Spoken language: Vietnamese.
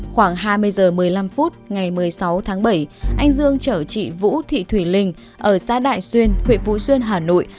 khoảng hai mươi h một mươi năm phút ngày một mươi sáu tháng bảy anh dương chở chị vũ thị thùy linh ở xã đại xuyên huyện vũ xuyên hà nội